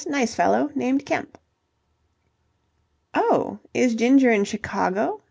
Nice fellow. Named Kemp." "Oh, is Ginger in Chicago?"